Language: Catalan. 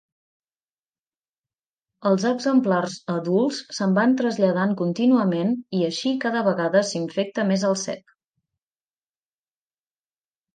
Els exemplars adults se'n van traslladant contínuament i així cada vegada s'infecta més el cep.